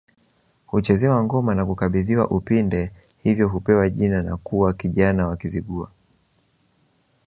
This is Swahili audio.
Huchezewa ngoma na kukabidhiwa upinde hivyo hupewa jina na kuwa kijana wa Kizigua